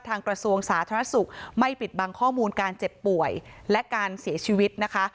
กระทรวงสาธารณสุขไม่ปิดบังข้อมูลการเจ็บป่วยและการเสียชีวิตนะคะ